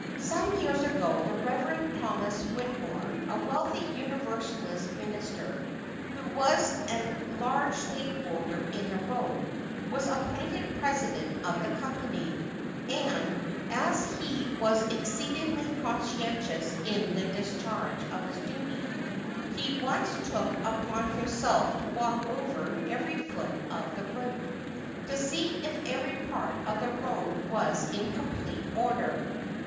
Some years ago, the Reverend Thomas Whittemore, a wealthy Universalist minister, who was a large stockholder in the road, was appointed president of the company; and, as he was exceedingly conscientious in the discharge of his duty, he once took upon himself to walk over every foot of the route, to see if every part of the road was in complete order.